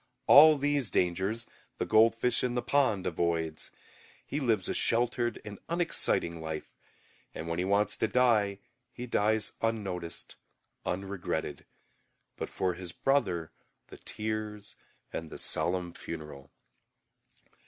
All these dangers the goldfish in the pond avoids; he lives a sheltered and unexciting life, and when he wants to die he dies unnoticed, unregretted, but for his brother the tears and the solemn funeral.